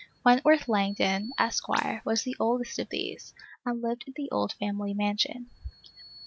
Wentworth Langdon, Esquire, was the oldest of these, and lived in the old family mansion.